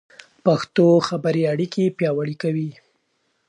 پښتو خبرې اړیکې پیاوړې کوي.